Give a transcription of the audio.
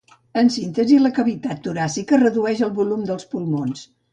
En síntesi la cavitat toràcica redueix el volum dels pulmons.